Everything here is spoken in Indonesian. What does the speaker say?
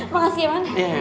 makasih ya man